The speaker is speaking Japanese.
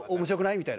みたいな。